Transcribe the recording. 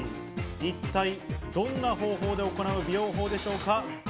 一体どんな方法で行う美容法でしょうか？